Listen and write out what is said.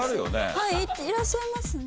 はいいらっしゃいますね。